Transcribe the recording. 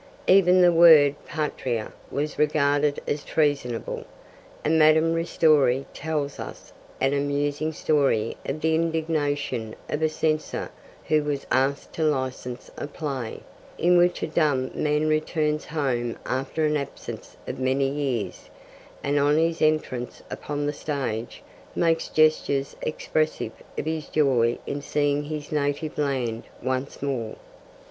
Even the word patria was regarded as treasonable, and Madame Ristori tells us an amusing story of the indignation of a censor who was asked to license a play, in which a dumb man returns home after an absence of many years, and on his entrance upon the stage makes gestures expressive of his joy in seeing his native land once more.